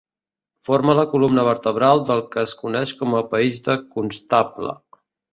Forma la columna vertebral del que es coneix com a "país de Constable".